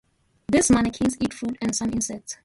These manakins eat fruit and some insects.